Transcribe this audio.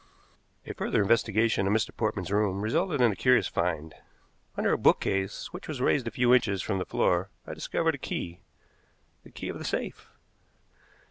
A further investigation of Mr. Portman's room resulted in a curious find. Under a bookcase, which was raised a few inches from the floor, I discovered a key the key of the safe.